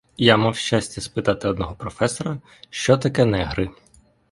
Я мав щастя спитати одного професора, що таке негри.